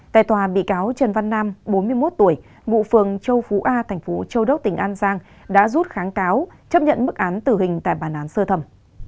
trần văn nam bốn mươi một tuổi ngụ phường châu phú a thành phố châu đốc tỉnh an giang đã rút kháng cáo chấp nhận mức án tử hình tại bàn án sơ thẩm